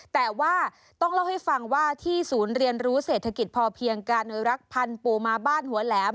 แต่ว่าต้องเล่าให้ฟังว่าที่ศูนย์เรียนรู้เศรษฐกิจพอเพียงการอนุรักษ์พันธ์ปูมาบ้านหัวแหลม